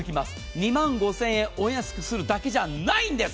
２万５０００円お安くするだけじゃないんです。